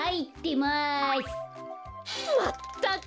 まったく！